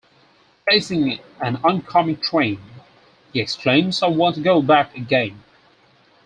Facing an oncoming train, he exclaims I want to go back again!